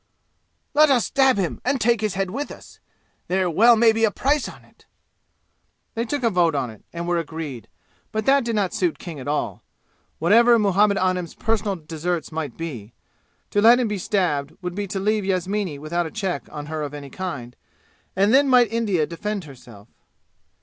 "Let us stab him and take his head with us; there well may be a price on it." They took a vote on it and were agreed; but that did not suit King at all, whatever Muhammad Anim's personal deserts might be. To let him be stabbed would be to leave Yasmini without a check on her of any kind, and then might India defend herself!